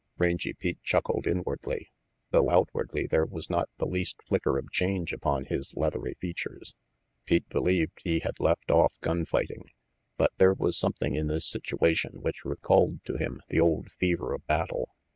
Rangy Pete chuckled inwardly, though outwardly RANGY PETE 23 there was not the least flicker of change upon his leathery features. Pete believed he had left off gun fighting, but there was something in this situa tion which recalled to him the old fever of battle.